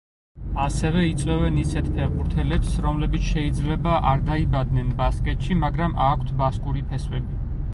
ასევე იწვევენ ისეთ ფეხბურთელებს, რომლებიც შეიძლება არ დაიბადნენ ბასკეთში, მაგრამ აქვთ ბასკური ფესვები.